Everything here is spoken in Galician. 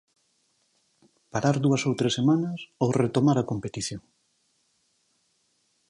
Parar dúas ou tres semanas ou retomar a competición?